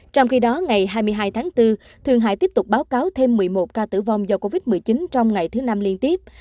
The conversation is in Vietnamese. trong khi đó ngày hai mươi hai tháng bốn thường hải tiếp tục báo cáo thêm một mươi một ca tử vong do covid một mươi chín trong ngày thứ năm liên tiếp